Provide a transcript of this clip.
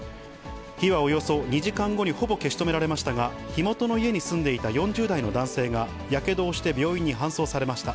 火はおよそ２時間後にほぼ消し止められましたが、火元の家に住んでいた４０代の男性がやけどをして病院に搬送されました。